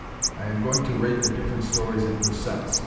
I am going to rate the different stories in per cents.